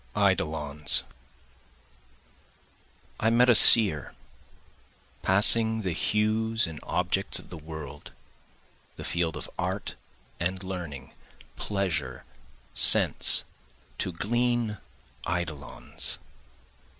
Eidolons I met a seer, Passing the hues and objects of the world, The fields of art and learning, pleasure, sense, To glean eidolons.